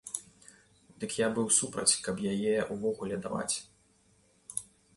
Дык я быў супраць, каб яе ўвогуле даваць.